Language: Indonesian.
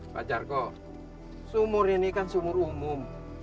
pak jargo sumur ini kan sumur umum